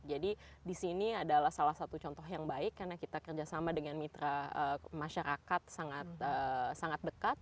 jadi di sini adalah salah satu contoh yang baik karena kita kerjasama dengan mitra masyarakat sangat dekat